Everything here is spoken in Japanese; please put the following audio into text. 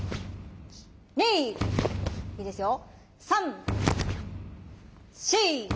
いいですよ。